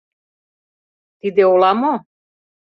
Тиде ола мо?..